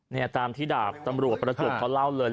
เนี่ยตามที่ดาบตำรวจประจวบเขาเล่าเลย